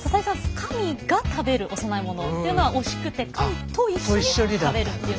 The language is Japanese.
神が食べるお供え物というのは惜しくて神と一緒に食べるという。